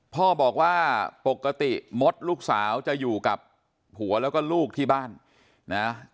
พ่อบอกว่าปกติมดลูกสาวจะอยู่กับผัวแล้วก็ลูกที่บ้านนะ